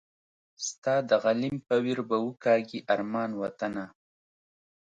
ستا د غلیم په ویر به وکاږي ارمان وطنه